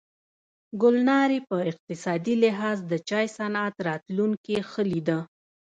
ګلنارې په اقتصادي لحاظ د چای صنعت راتلونکې ښه لیده.